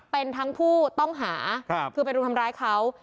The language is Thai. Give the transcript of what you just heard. เป็นทั้งผู้ต้องหาคือไปรุมทำร้ายเขา